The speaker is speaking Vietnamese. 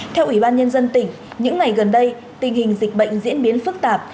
theo ủy ban nhân dân tỉnh những ngày gần đây tình hình dịch bệnh diễn biến phức tạp